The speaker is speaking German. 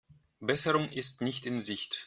Besserung ist nicht in Sicht.